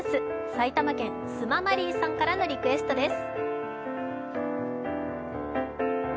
埼玉県、スママリーさんからのリクエストです。